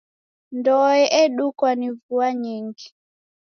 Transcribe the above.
Ndoe edukwa ni vua nyingi.